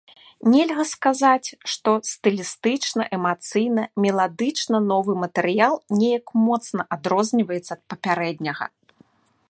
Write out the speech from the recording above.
Нельга сказаць, што стылістычна, эмацыйна, меладычна новы матэрыял неяк моцна адрозніваецца ад папярэдняга.